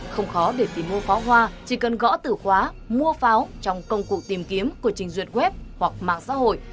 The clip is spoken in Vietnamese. không khó để tìm mua pháo hoa chỉ cần gõ tử khóa mua pháo trong công cụ tìm kiếm của trình duyệt web hoặc mạng xã hội